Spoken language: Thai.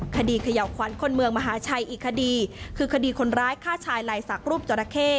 คดีเขย่าขวัญคนเมืองมหาชัยอีกคดีคือคดีคนร้ายฆ่าชายลายศักดิ์รูปจราเข้